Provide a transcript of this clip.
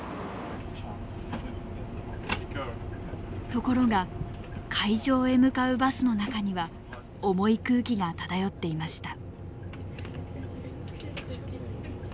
ところが会場へ向かうバスの中には重い空気が漂っていました。